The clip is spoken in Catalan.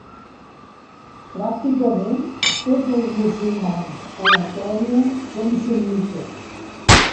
Pràcticament tots els musulmans a Letònia són sunnites.